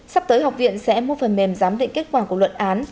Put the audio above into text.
sắp tới học viện sẽ mua phần mềm giám định kết quả của luận án